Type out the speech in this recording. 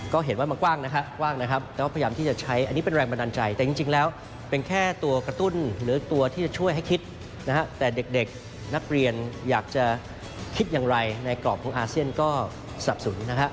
ก็เห็นว่ามันกว้างนะฮะกว้างนะครับแล้วก็พยายามที่จะใช้อันนี้เป็นแรงบันดาลใจแต่จริงแล้วเป็นแค่ตัวกระตุ้นหรือตัวที่จะช่วยให้คิดนะฮะแต่เด็กนักเรียนอยากจะคิดอย่างไรในกรอบของอาเซียนก็สับสนนะฮะ